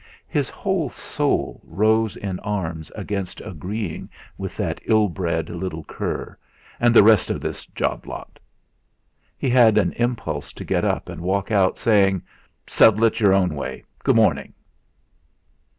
His whole soul rose in arms against agreeing with that ill bred little cur, and the rest of this job lot. He had an impulse to get up and walk out, saying: "Settle it your own way. Good morning."